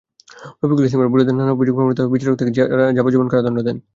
রফিকুল ইসলামের বিরুদ্ধে আনা অভিযোগ প্রমাণিত হওয়ায় বিচারক তাঁকে যাবজ্জীবন কারাদণ্ড দেন।